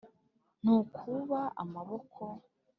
ntukuba amaboko